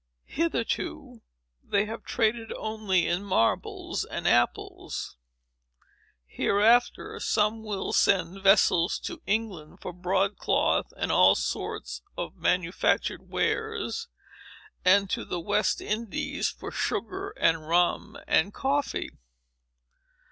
Hitherto, they have traded only in marbles and apples. Hereafter, some will send vessels to England for broadcloths and all sorts of manufactured wares, and to the West Indies for sugar, and rum, and coffee.